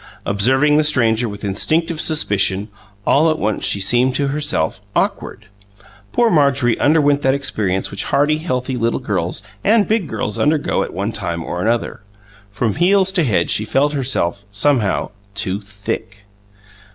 Observing the stranger with instinctive suspicion, all at once she seemed, to herself, awkward. Poor Marjorie underwent that experience which hearty, healthy, little girls and big girls undergo at one time or another from heels to head she felt herself, somehow, too THICK.